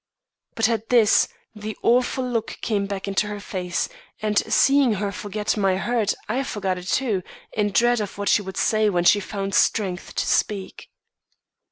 But at this, the awful look came back into her face, and seeing her forget my hurt, I forgot it, too, in dread of what she would say when she found strength to speak.